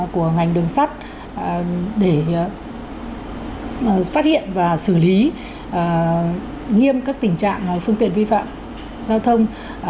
của ngành đường sắt để phát hiện và xử lý nghiêm các tình trạng phương tiện vi phạm giao thông